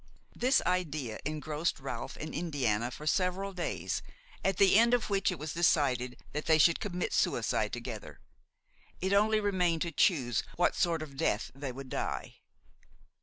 This idea engrossed Ralph and Indiana for several days, at the end of which it was decided that they should commit suicide together. It only remained to choose what sort of death they would die.